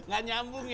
gak nyambung ya